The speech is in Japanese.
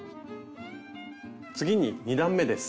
次に２段めです。